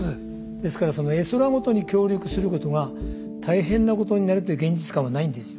ですからその絵空事に協力することが大変なことになるという現実感はないんですよ。